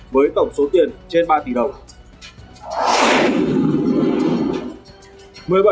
với tổng số tiền trên ba tỷ đồng